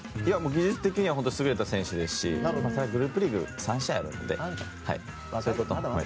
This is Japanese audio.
技術的には優れた選手ですしグループリーグ３試合あるので、まだまだ。